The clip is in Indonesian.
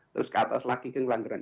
terus ke atas lagi ke ngelanggaran